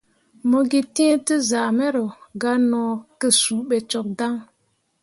Mo gǝ tǝ̃ǝ̃ tezyah mero, gah no ke suu bo cok dan.